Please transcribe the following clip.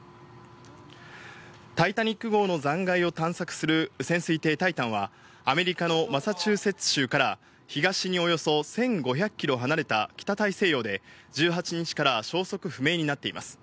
タイタニック号の残骸を探索する潜水艇タイタンはアメリカのマサチューセッツ州から東におよそ１５００キロ離れた北大西洋で、１８日から消息不明になっています。